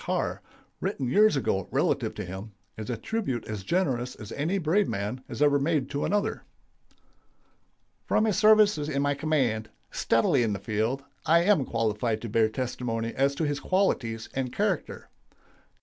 Carr, written years ago relative to him, is a tribute as generous as any brave man has ever made to another: "From his services in my command, steadily in the field, I am qualified to bear testimony as to his qualities and character.